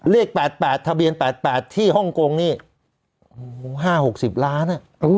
เลข๘๘ทะเบียน๘๘ที่ฮ่องกงนี่๕๖๐ล้าน